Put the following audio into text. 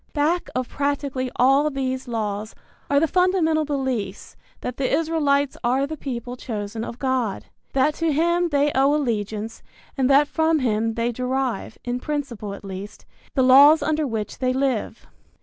Back of practically all these laws are the fundamental beliefs that the Israelites are the people chosen of God, that to him they owe allegiance and that from him they derive, in principle at least, the laws under which they live.